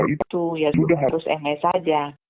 itu ya sudah harus ms saja